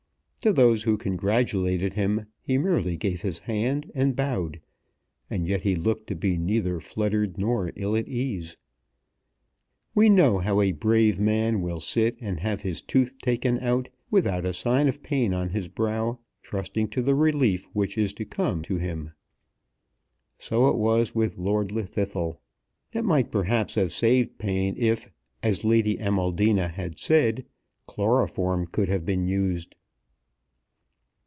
To those who congratulated him he merely gave his hand and bowed, and yet he looked to be neither fluttered nor ill at ease. We know how a brave man will sit and have his tooth taken out, without a sign of pain on his brow, trusting to the relief which is to come to him. So it was with Lord Llwddythlw. It might, perhaps, have saved pain if, as Lady Amaldina had said, chloroform could have been used.